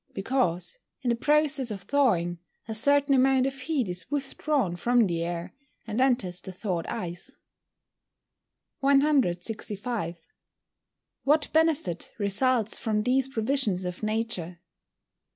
_ Because, in the process of thawing, a certain amount of heat is withdrawn from the air, and enters the thawed ice. 165. _What benefit results from these provisions of Nature?